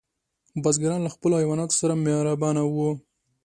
بزګران له خپلو حیواناتو سره مهربانه وو.